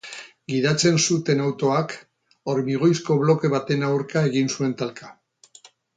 Gidatzen zuten autoak hormigoizko bloke baten aurka egin zuen talka.